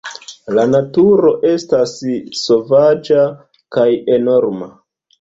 La naturo estas sovaĝa kaj enorma.